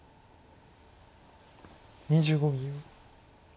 ２５秒。